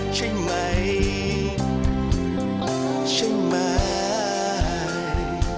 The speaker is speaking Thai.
ใช่ไหมใช่ไหม